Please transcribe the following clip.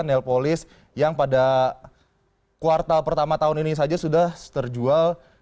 nelpolis yang pada kuartal pertama tahun ini saja sudah terjual